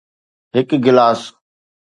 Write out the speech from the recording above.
هڪ گلاس